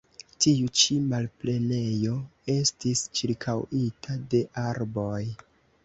Tiu ĉi malplenejo estis ĉirkaŭita de arboj.